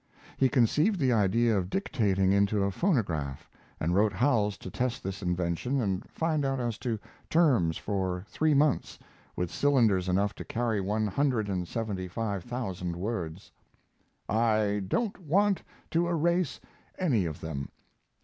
He conceived the idea of dictating into a phonograph, and wrote Howells to test this invention and find out as to terms for three months, with cylinders enough to carry one hundred and seventy five thousand words. I don't want to erase any of them.